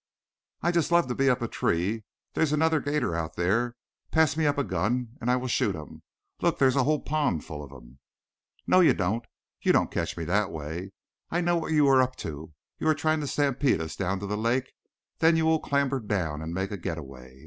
"I just love to be up a tree. There's another 'gator out there. Pass me up a gun and I will shoot him. Look, there's a whole pond full of them." "No you don't. You don't catch me that way. I know what you are up to. You are trying to stampede us down to the lake, then you will clamber down and make a get away.